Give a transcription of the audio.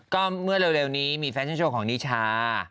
ก็เมื่อเร็วนี้มีแฟชั่นโชว์ของนิชา